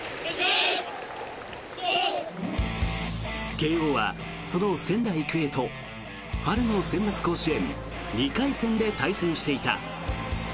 慶応はその仙台育英と春のセンバツ甲子園２回戦で対戦していた。